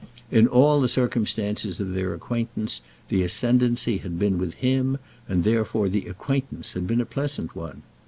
In all the circumstances of their acquaintance the ascendancy had been with him, and therefore the acquaintance had been a pleasant one.